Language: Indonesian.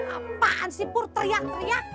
apaan si pur teriak teriak